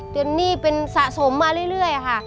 หนี้เป็นสะสมมาเรื่อยค่ะ